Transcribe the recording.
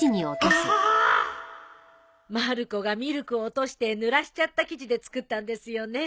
まる子がミルクを落としてぬらしちゃった生地で作ったんですよね。